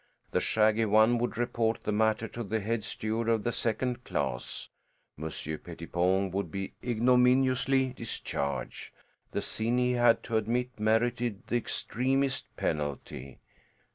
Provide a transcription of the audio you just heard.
The shaggy one would report the matter to the head steward of the second class; Monsieur Pettipon would be ignominiously discharged; the sin, he had to admit, merited the extremest penalty.